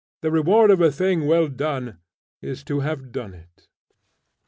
The reward of a thing well done, is to have done it.'